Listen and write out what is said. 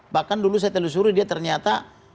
bahkan dulu saya telusuri dia ternyata